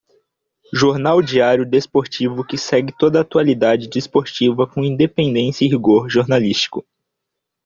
Jornal diário desportivo que segue toda a atualidade desportiva com independência e rigor jornalístico.